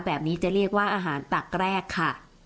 แบบนี้จะเรียกว่าอาหารตักแรกค่ะ